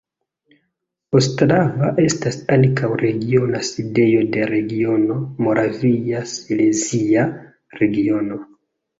Ostrava estas ankaŭ regiona sidejo de regiono Moravia-Silezia Regiono.